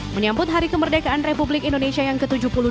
menyambut hari kemerdekaan republik indonesia yang ke tujuh puluh dua